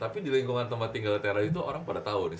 tapi di lingkungan tempat tinggal tera itu orang pada tau nih